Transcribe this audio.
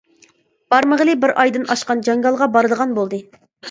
بارمىغىلى بىر ئايدىن ئاشقان جاڭگالغا بارىدىغان بولدى.